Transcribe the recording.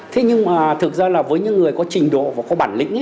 thế nhưng mà thực ra là với những người có trình độ và có bản lĩnh